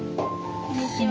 こんにちは。